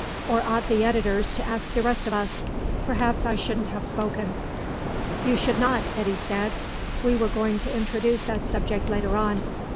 Or ought the editors to ask the rest of us? Perhaps I shouldn't have spoken." "You should not," Eddy said. "We were going to introduce that subject later on."